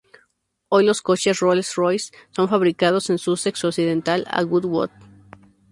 Hoy, los coches Rolls-Royce son fabricados en Sussex Occidental, a Goodwood.